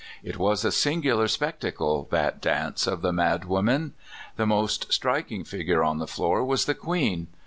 It was a singular spectacle, that dance of the madwomen. The most striking figure on the floor was the queen.